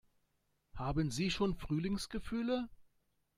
Haben Sie schon Frühlingsgefühle?